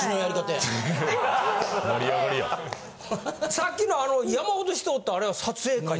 さっきのあの山ほど人おったあれは撮影会。